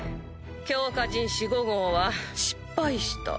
強化人士５号は失敗した。